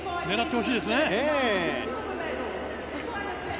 これを狙ってほしいですね。